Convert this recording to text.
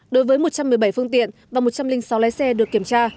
đối với một trăm một mươi bảy phương tiện và một trăm linh sáu lái xe được kiểm tra